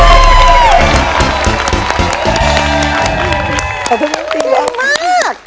ขอบคุณครับจริงมาก